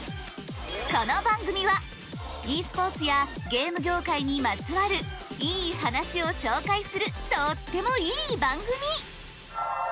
この番組はｅスポーツやゲーム業界にまつわるいい話を紹介するとってもいい番組。